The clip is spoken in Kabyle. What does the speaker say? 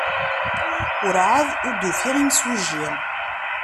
Werɛad ur d-ufiɣ imsujji.